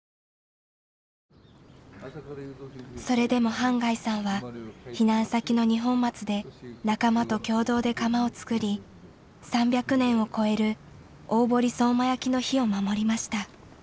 それでも半谷さんは避難先の二本松で仲間と共同で窯を作り３００年を超える大堀相馬焼の灯を守りました。